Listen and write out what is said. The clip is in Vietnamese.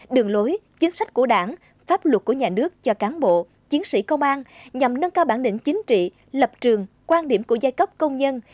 đường lối chính sách của đảng pháp luật của nhà nước cho cán bộ chiến sĩ công an nhằm nâng cao bản lĩnh chính trị lập trường quan điểm của giai cấp công nhân